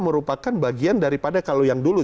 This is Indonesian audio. merupakan bagian daripada kalau yang dulu